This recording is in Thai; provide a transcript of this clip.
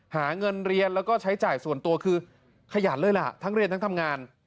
หาเงินเรียนแล้วก็ใช้จ่ายส่วนตัวคือขยันเลยล่ะทั้งเรียนทั้งทำงาน